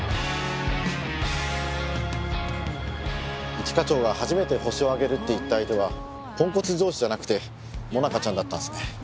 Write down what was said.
一課長が初めてホシを挙げるって言った相手はポンコツ上司じゃなくて萌奈佳ちゃんだったんですね。